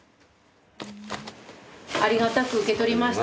「ありがたく受け取りました」